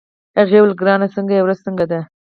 هغې وویل: ګرانه څنګه يې، ورځ څنګه ده؟